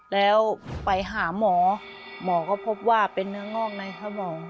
แล้วไปหาหมอหมอก็พบว่าเป็นเนื้องอกในสมอง